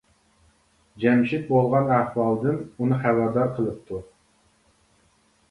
جەمشىت بولغان ئەھۋالدىن ئۇنى خەۋەردار قىلىپتۇ.